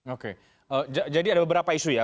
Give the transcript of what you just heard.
oke jadi ada beberapa isu ya